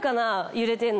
揺れてんの。